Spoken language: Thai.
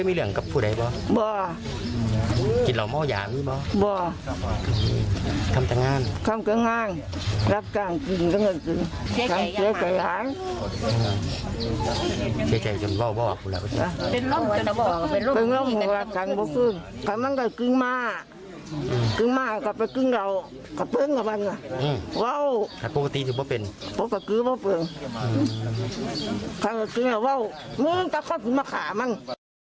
มันก็คือว่าเปลืองจริงหรือเปล่ามันก็คือมะขาบ้าง